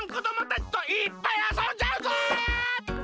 たちといっぱいあそんじゃうぞ！